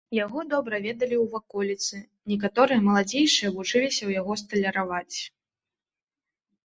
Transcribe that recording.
Яго добра ведалі ў ваколіцы, некаторыя маладзейшыя вучыліся ў яго сталяраваць.